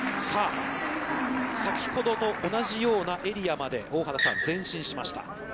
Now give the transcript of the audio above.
さあ、先ほどと同じようなエリアまで大畑さん、前進しました。